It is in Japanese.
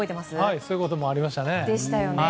そういうこともありましたね。